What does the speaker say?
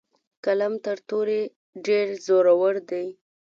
قلم تر تورې ډیر زورور دی.